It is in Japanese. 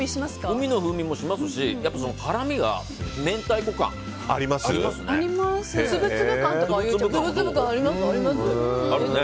海の風味もしますし辛みが明太子感ありますね。